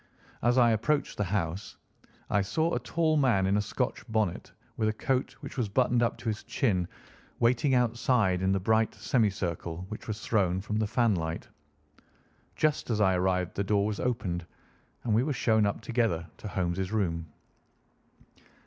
As I approached the house I saw a tall man in a Scotch bonnet with a coat which was buttoned up to his chin waiting outside in the bright semicircle which was thrown from the fanlight. Just as I arrived the door was opened, and we were shown up together to Holmes' room.